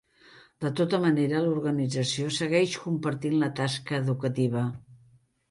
De tota manera, l'organització segueix compartint la tasca educativa.